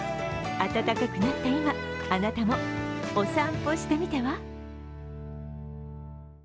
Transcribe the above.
暖かくなった今、あなたもお散歩してみては？